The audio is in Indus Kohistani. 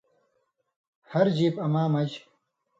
ہر ژیب اما مژ